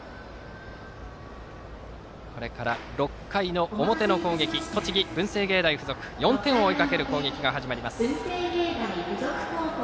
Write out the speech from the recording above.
これから６回の表の攻撃栃木・文星芸大付属４点を追いかける攻撃が始まります。